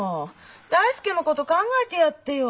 大介のこと考えてやってよ。